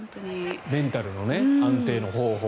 メンタルの安定の方法。